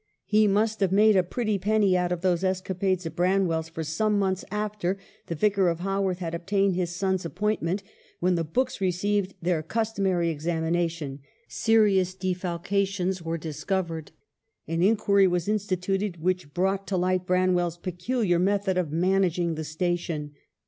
He must have made a pretty penny out of those escapades of Branwell's, for some months after the Vicar of Haworth had obtained his son's appointment, when the books received their customary examination, serious defalcations were discovered. An inquiry was instituted, which brought to light Branwell's peculiar method of managing the station.